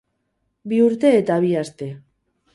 Bi urte eta bi aste.